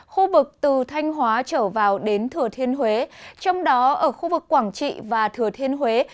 khu vực từ thanh hóa trở vào đến thừa thiên huế trong đó ở khu vực quảng trị và thừa thiên huế